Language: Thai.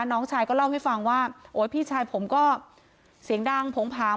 น้องชายก็เล่าให้ฟังว่าโอ้ยพี่ชายผมก็เสียงดังโผงผาง